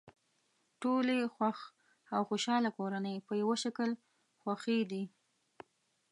ټولې خوښ او خوشحاله کورنۍ په یوه شکل خوښې دي.